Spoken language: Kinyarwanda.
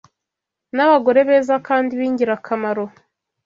n’abagore beza kandi b’ingirakamaro